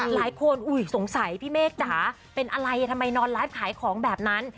หลายคนสงสัยพี่เมฆจ๋าเป็นอะไรทำไมนอนไลฟ์ขายของแบบนั้น